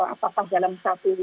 apakah dalam satu